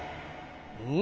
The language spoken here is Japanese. うん？